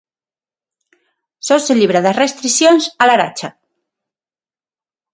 Só se libra das restricións A Laracha.